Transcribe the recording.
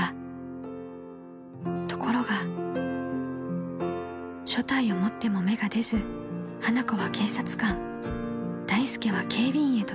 ［ところが所帯を持っても芽が出ず花子は警察官大助は警備員へと転職］